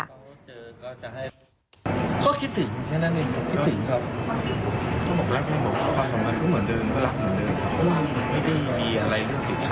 ฟังเสียงคุณแฮกและคุณจิ้มค่ะ